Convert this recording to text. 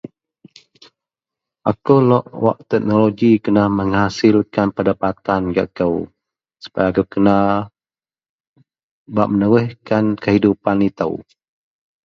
Akou lok wak teknoloji kena menghasilkan pendapatan gak kou supaya akou kena bak meneruskan kehidupan ito.